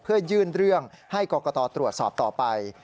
เพื่อยื่นเรื่องให้กรกตตรวจสอบต่อไป